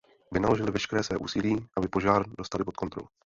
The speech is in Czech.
Vynaložili veškeré své úsilí, aby požár dostali pod kontrolu.